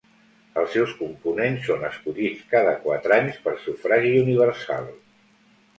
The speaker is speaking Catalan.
Els seus components són escollits cada quatre anys per sufragi universal.